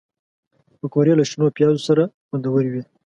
پکورې له شنو پیازو سره خوندورې وي